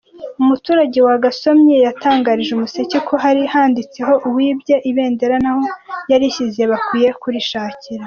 Umuturage wagasomye yatangarije Umuseke ko hari handitseho uwibye ibendera n’aho yarishyize bakwiye kurishakira.